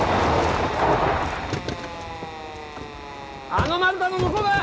あの丸太の向こうだ！